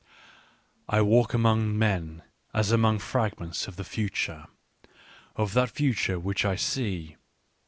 " I walk among men as among fragments of the future : of that future which I see.